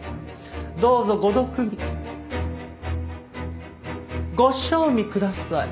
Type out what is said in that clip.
どうぞご毒味ご賞味ください。